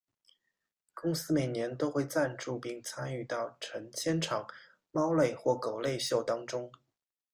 公司每年都会赞助并参与到成千场猫类或狗类秀当中。